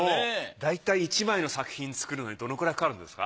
だいたい１枚の作品作るのにどのくらいかかるんですか？